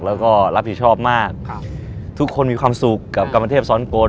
แล้วก็รับผิดชอบมากครับทุกคนมีความสุขกับกรรมเทพซ้อนกล